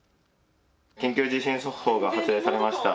緊急地震速報が発令されました。